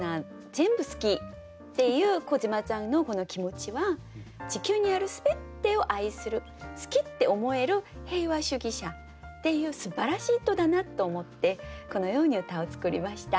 全部好きっていう小島ちゃんのこの気持ちは地球にある全てを愛する好きって思える平和主義者っていうすばらしい人だなと思ってこのように歌を作りました。